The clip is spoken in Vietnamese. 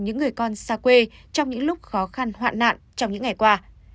những người con xa quê trong những lúc khó khăn hoạn nạn trong những ngày qua